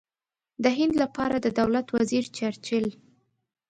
د هند لپاره د دولت وزیر چرچل.